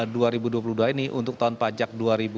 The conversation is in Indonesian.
tahun dua ribu dua puluh dua ini untuk tahun pajak dua ribu dua puluh